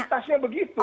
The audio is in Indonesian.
ini realitasnya begitu